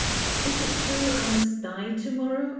''" Is it true I must die to morrow?